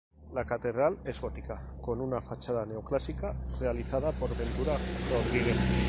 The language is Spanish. La catedral es gótica, con una fachada neoclásica realizada por Ventura Rodríguez.